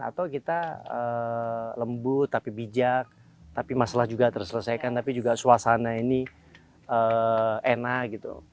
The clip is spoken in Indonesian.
atau kita lembut tapi bijak tapi masalah juga terselesaikan tapi juga suasana ini enak gitu